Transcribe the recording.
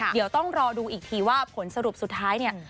เดี๋ยวต้องรอดูอีกทีว่าผลสรุปสุดท้ายเนี่ย